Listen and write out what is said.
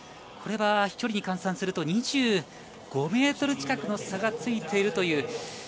これは飛距離に換算すると２５ｍ近くの差がついているという。